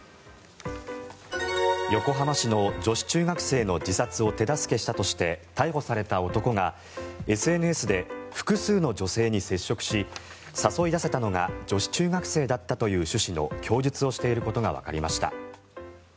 横浜市の女子中学生の自殺を手助けしたとして逮捕された男がＳＮＳで複数の女性に接触し誘い出せたのが女子中学生だったという趣旨の供述をしていることがわかりました。